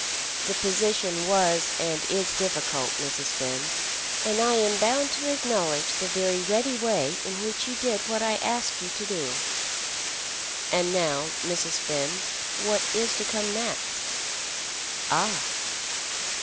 "The position was and is difficult, Mrs. Finn." "And I am bound to acknowledge the very ready way in which you did what I asked you to do." "And now, Mrs. Finn, what is to come next?" "Ah!"